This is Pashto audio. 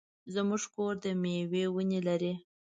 زمونږ کور د مېوې ونې لري.